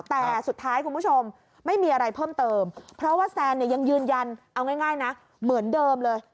แต่สุดท้ายคุณผู้ชมไม่มีอะไรเพิ่มเติมเพราะว่าแซนเนี่ยยังยืนยันเอาง่ายนะเหมือนเดิมเลย